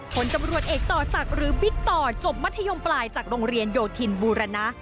ผลตำรวจเอกต่อศักดิ์หรือบิ๊กต่อจบมัธยมปลายจากโรงเรียนโยธินบูรณะ